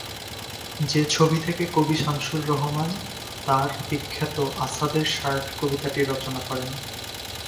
যে ছবি থেকে কবি শামসুর রহমান তার বিখ্যাত 'আসাদের শার্ট' কবিতাটি রচনা করেন।